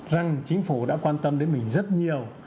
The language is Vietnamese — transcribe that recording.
rằng chính phủ đã quan tâm đến mình rất nhiều